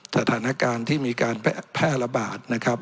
สถานการณ์ที่มีการแพร่ระบาดนะครับ